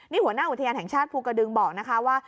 นี่หัวหน้าอุทยานแห่งชาติภูกระดึงบอกนะคะว่า